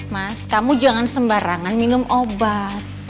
mas kamu jangan sembarangan minum obat